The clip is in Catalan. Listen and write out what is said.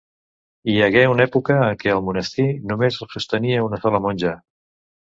Hi hagué una època en què al monestir, només el sostenia una sola monja.